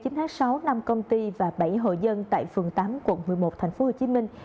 ngày chín tháng sáu năm công ty và bảy hộ dân tại phường tám quận một mươi một thành phố hồ chí minh